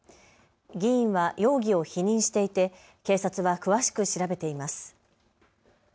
議員は容疑を否認していて警察は詳しく調べています。